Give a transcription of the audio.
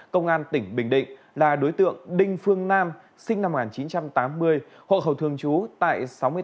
công an tỉnh bình định là đối tượng đinh phương nam sinh năm một nghìn chín trăm tám mươi hộ khẩu thường trú tại sáu mươi tám